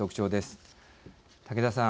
竹田さん